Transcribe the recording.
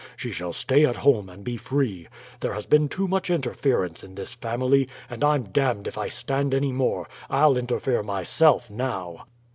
She shall stay at home and be free. There has been too much interference in this family, and I'm damned if I stand any more; I'll interfere myself now."